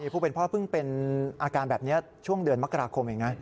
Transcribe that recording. ผู้เป็นพ่อเพิ่งเป็นอาการแบบนี้ช่วงเดือนมกราคมเองนะ